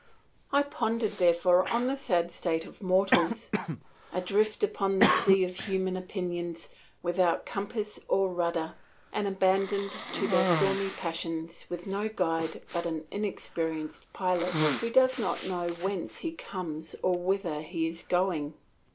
I pondered, therefore, on the sad fate of mortals, adrift upon this sea of human opinions, without compass or rudder, and abandoned to their stormy passions with no guide but an inexperienced pilot who does not know whence he comes or whither he is going.